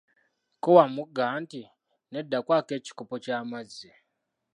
Kko Wamugga nti, "nedda kwako ekikopo kyamazzi."